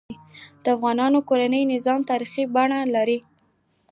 د افغانانو کورنۍ نظام تاریخي بڼه لري.